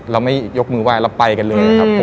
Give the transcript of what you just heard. เราไม่ยกมือไห้เราไปกันเลยนะครับผม